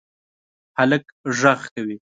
هلک غږ کوی